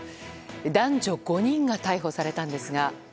男女５人が逮捕されたんですが。